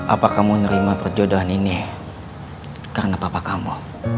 apa kamu nerima perjodohan ini karena papa kamu